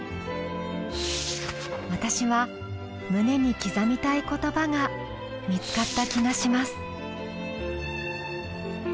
私は胸に刻みたい言葉が見つかった気がします。